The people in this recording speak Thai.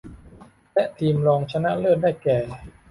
และทีมรองชนะเลิศได้แก่